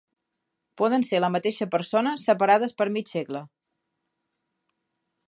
Poden ser la mateixa persona separades per mig segle.